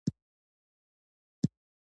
که د بدلو وي.